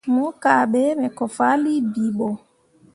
Mo kahɓe me ko fahlii bii ɓo.